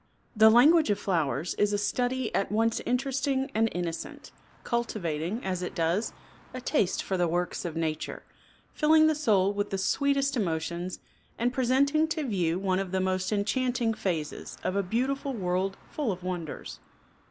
The language of flowers is a study at once interesting and innocent, cultivating, as it does, a taste for the works of nature, filling the soul with the sweetest emotions and presenting to view one of the most enchanting phases of a beautiful world full of wonders.